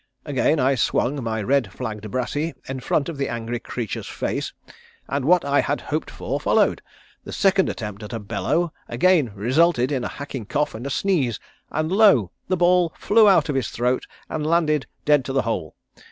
Again I swung my red flagged brassey in front of the angry creature's face and what I had hoped for followed. The second attempt at a bellow again resulted in a hacking cough and a sneeze, and lo the ball flew out of his throat and landed dead to the hole.